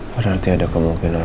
berarti ada kemungkinan